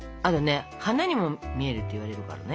花にも見えるっていわれるからね。